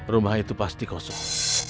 rumah itu pasti kosong